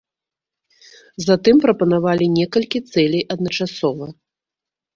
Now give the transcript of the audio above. Затым прапанавалі некалькі цэлей адначасова.